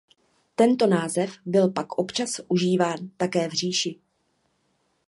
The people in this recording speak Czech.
Tento název byl pak občas užíván také v říši.